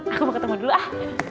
aku mau ketemu dulu ah